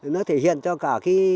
nó thể hiện cho cả